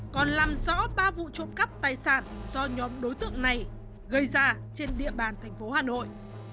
còn làm rõ ba vụ trộm cắp tài sản do nhóm đối tượng này gây ra trên địa bàn thành phố hà nội